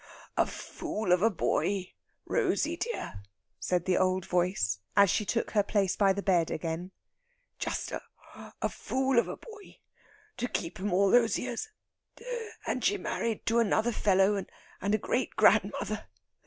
"A fool of a boy, Rosey dear," said the old voice, as she took her place by the bed again. "Just a fool of a boy, to keep them all those years. And she married to another fellow, and a great grandmother.